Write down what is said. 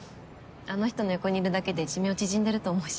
あの人の横にいるだけで寿命縮んでると思うし。